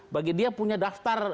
bagi dia punya daftar